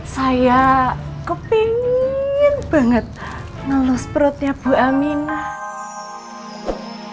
saya kepingin banget ngelus perutnya bu aminah